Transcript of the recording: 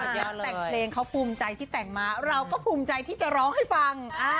นักแต่งเพลงเขาภูมิใจที่แต่งมาเราก็ภูมิใจที่จะร้องให้ฟัง